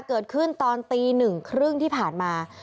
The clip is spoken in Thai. เกิดขึ้นตอนตีหนึ่งครึ่งที่ผ่านมา